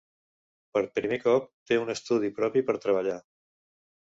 Per primer cop té un estudi propi per treballar.